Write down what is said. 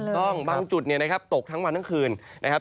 ต้องบางจุดตกทั้งวันทั้งคืนนะครับ